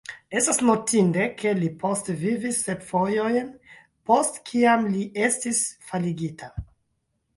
Estas notinde, ke li postvivis sep fojojn post kiam li estis faligita.